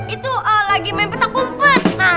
itu lagi main petak kompas